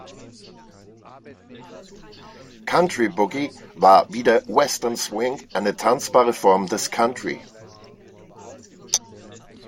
Country Boogie war wie der Western Swing eine tanzbare Form des Country.